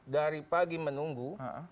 dari pagi menunggu